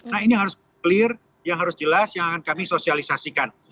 nah ini harus clear yang harus jelas yang akan kami sosialisasikan